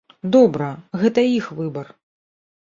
Добра, гэта іх выбар.